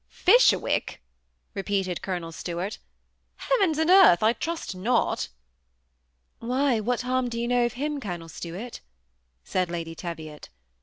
Fisherwick !" repeated Colonel Stuart " Heavens and earth ! I trust not." "Why, what harm do you kno^ of him, Colonel Stuart ?" said Lady Teviot.